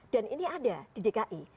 dan ini ada di dki